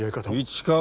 市川。